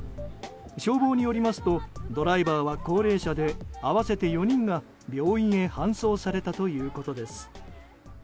消防によりますとドライバーは高齢者で合わせて４人が病院へ搬送されたということです。